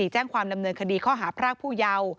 แจ้งความดำเนินคดีข้อหาพรากผู้เยาว์